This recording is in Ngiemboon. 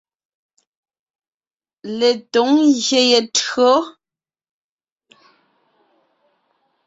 Letǒŋ ngyè ye tÿǒ.